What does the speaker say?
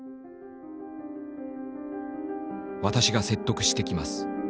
「私が説得してきます」。